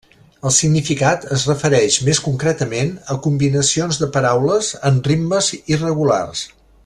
El significat es refereix més concretament a combinacions de paraules amb ritmes irregulars.